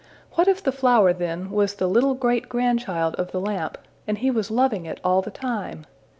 What if the flower then was the little great grandchild of the lamp and he was loving it all the time?